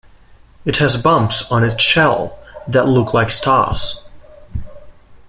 It has bumps on its shell that look like stars.